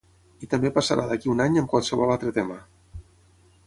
I també passarà d’aquí a un any amb qualsevol altre tema.